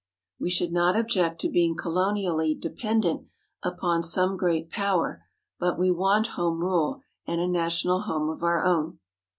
We should not object to being colonially dependent upon some great power, but we want home rule and a national home of our own."